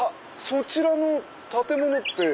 そちらの建物って？